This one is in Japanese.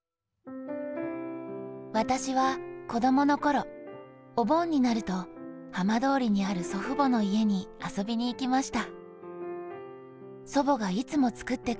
「私は、子どものころ、お盆になると浜通りにある祖父母の家に遊びに行きました」。